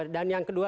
dan yang kedua